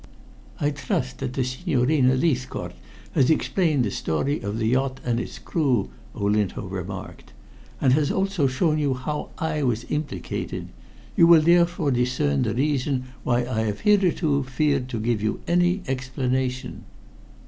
"I trust that the Signorina Leithcourt has explained the story of the yacht and its crew," Olinto remarked. "And has also shown you how I was implicated. You will therefore discern the reason why I have hitherto feared to give you any explanation."